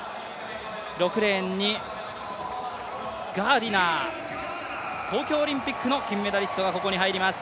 ６レーンにガーディナー東京オリンピックの金メダリストがここに入ります。